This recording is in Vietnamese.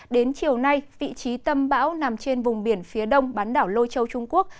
đến chiều nay vị trí tâm bão nằm trên vùng biển phía đông bán đảo lôi châu trung quốc